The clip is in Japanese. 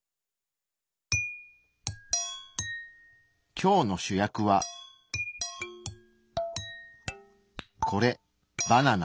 今日の主役はこれバナナ。